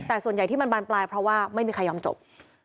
แต่ส่วนใหญ่ที่มันบานปลายเพราะว่าไม่มีใครยอมจบ